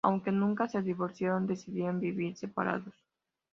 Aunque nunca se divorciaron, decidieron vivir separados.